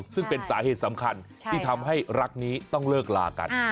ซึ่งเป็นสาเหตุสำคัญที่ทำให้รักนี้ต้องเลิกลากัน